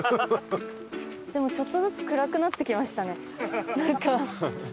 でもちょっとずつ暗くなってきましたねなんか。